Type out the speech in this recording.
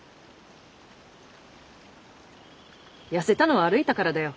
痩せたのは歩いたからだよ。